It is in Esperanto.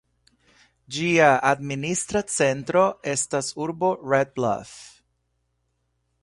Ĝia administra centro estas la urbo Red Bluf.